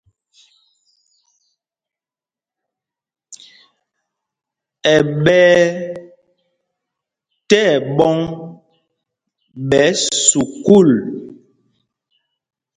Ɛ́ ɓɛ̄y tí ɛɓɔ̌ŋ ɓɛ̌ sukûl.